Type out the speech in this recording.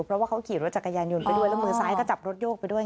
เพราะว่าเขาขี่รถจักรยานยนต์ไปด้วยแล้วมือซ้ายก็จับรถโยกไปด้วย